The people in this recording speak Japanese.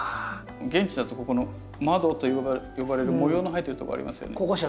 現地だとここの窓と呼ばれる模様の入ってるところありますよね。